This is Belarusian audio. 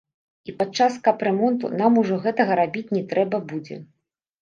І падчас капрамонту нам ужо гэтага рабіць не трэба будзе.